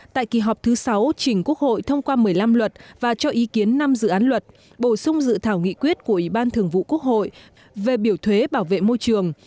tại kỳ họp thứ sáu chỉnh quốc hội thông qua một mươi năm luật và cho ý kiến năm dự án luật bổ sung dự thảo nghị quyết của ủy ban thường vụ quốc hội về biểu thuế bảo vệ môi trường